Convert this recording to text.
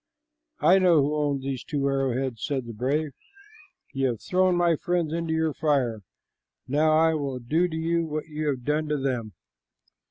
"I know who owned the two arrowheads," said the brave. "You have thrown my friends into your fire. Now I will do to you what you have done to them."